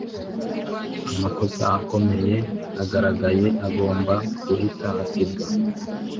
Amakosa akomeye agaragaye agomba guhita asibwa